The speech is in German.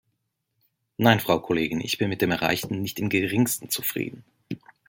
Nein, Frau Kollegin, ich bin mit dem Erreichten nicht im geringsten zufrieden!